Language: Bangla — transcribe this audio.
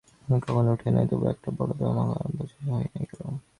আমি এখনও উঠে নাই, তবুও একটা বড় ধামা আমে বোঝাই হইয়া গেল।